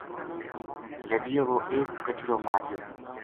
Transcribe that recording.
لَدیو وو ایک کچرو ماریو